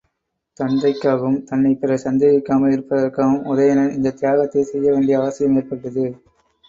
தத்தைக்காகவும் தன்னைப் பிறர் சந்தேகிக்காமல் இருப்பதற்காகவும் உதயணன் இந்தத் தியாகத்தைச் செய்ய வேண்டிய அவசியம் ஏற்பட்டது.